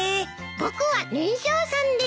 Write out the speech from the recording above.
僕は年少さんです。